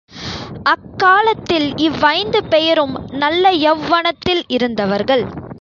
அக்காலத்தில் இவ்வைந்து பெயரும் நல்ல யௌவனத்தில் இருந்தவர்கள்.